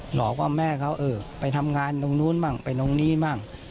หลอกว่าแม่เขาเออไปทำงานตรงนู้นมั่งไปตรงนี้บ้าง